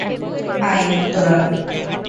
আয়, তোরা।